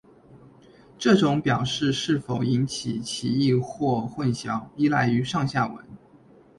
这种表示是否引起歧义或混淆依赖于上下文。